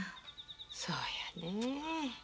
そうやね。